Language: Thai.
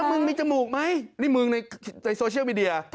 แล้วมึงมีจมูกไหมนี่มึงในโซเชียลวิดีโอ